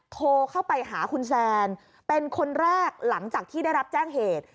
โทรเข้าไปหาคุณแซนเป็นคนแรกหลังจากที่ได้รับแจ้งเหตุ